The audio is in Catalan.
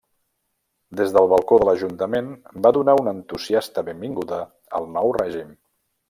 Des del balcó de l'Ajuntament va donar una entusiasta benvinguda al nou règim.